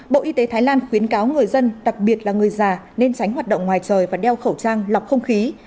bộ y tế thái lan khuyến cáo người dân đặc biệt là người già nên tránh hoạt động ngoài trời và đeo khẩu trang lọc không khí